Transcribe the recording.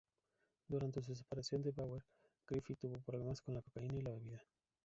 Durante su separación de Bauer, Griffith tuvo problemas con la cocaína y la bebida.